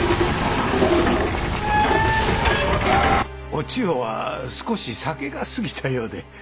お千代は少し酒が過ぎたようで。